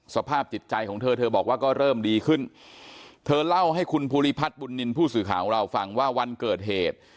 สภาพจิตใจของเธอเธอบอกว่าก็เริ่มดีขึ้นเธอเล่าให้คุณภูริพัฒน์บุญนินทร์ผู้สื่อข่าวของเราฟังว่าวันเกิดเหตุ